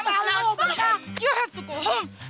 kamu harus pulang kamu harus pulang